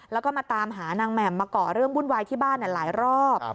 แล้วก็มาตามหานางแหม่มมาก่อเรื่องวุ่นวายที่บ้านหลายรอบ